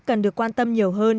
cần được quan tâm nhiều hơn